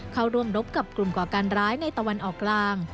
เข้าร่วมรบกับกลุ่มก่อการร้ายในตะวันออกกลาง